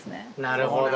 なるほど。